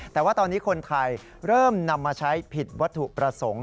แต่ว่าตอนนี้คนไทยเริ่มนำมาใช้ผิดวัตถุประสงค์